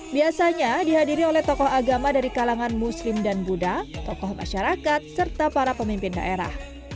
biasanya dihadiri oleh tokoh agama dari kalangan muslim dan buddha tokoh masyarakat serta para pemimpin daerah